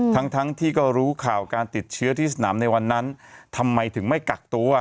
ทั้งทั้งที่ก็รู้ข่าวการติดเชื้อที่สนามในวันนั้นทำไมถึงไม่กักตัว